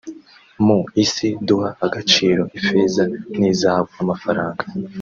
Mu isi duha agaciro ifeza n’izahabu (amafaranga